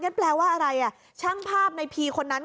แปลว่าอะไรอ่ะช่างภาพในพีคนนั้น